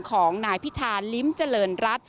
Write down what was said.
ของนายพิธาลิ้มเจริญรัฐ